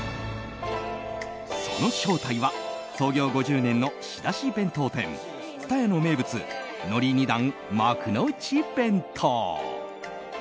その正体は創業５０年の仕出し弁当店津多屋の名物のり２段幕の内弁当。